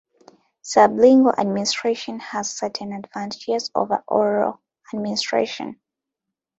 Sublingual administration has certain advantages over oral administration.